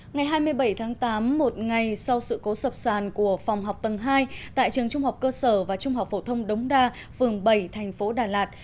ngày hai mươi bảy tháng tám một ngày sau sự cố sập sàn của phòng học tầng hai tại trường trung học cơ sở và trung học phổ thông đống đa phường bảy thành phố đà lạt